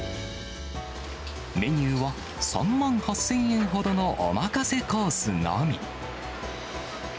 メニューは３万８０００円ほどのおまかせコースのみ。